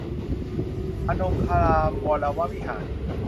อนงคารามวรวิหาร